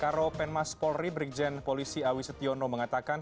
karo penmas polri berikjen polisi awisetyono mengatakan